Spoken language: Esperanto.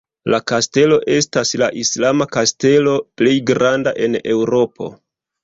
La Kastelo estas la islama kastelo plej granda en Eŭropo.